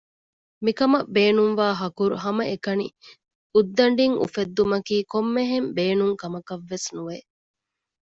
މިކަމަށް ބޭނުންވާ ހަކުރު ހަމައެކަނި އުއްދަޑީން އުފެއްދުމަކީ ކޮންމެހެން ބޭނުން ކަމަކަށްވެސް ނުވެ